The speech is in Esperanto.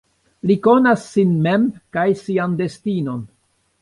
Li konas sin mem kaj sian destinon.